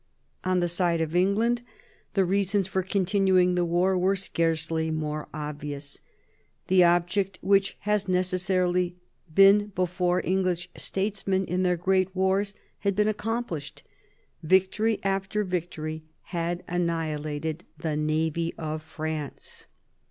On the side of England, the reasons for continuing the war were scarcely more obvious. The object which has necessarily been before English statesmen in their great wars had been accomplished. Victory after victory had annihilated the navy of France.